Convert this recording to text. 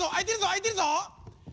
あいてるぞ！